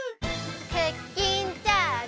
クッキンチャージ！